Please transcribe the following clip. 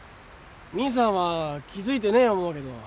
兄さんは気付いてねえ思うけど。